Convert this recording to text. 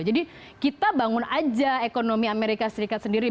jadi kita bangun aja ekonomi amerika serikat sendiri